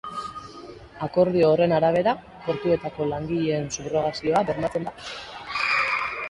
Akordio horren arabera, portuetako langileen subrogazioa bermatzen da.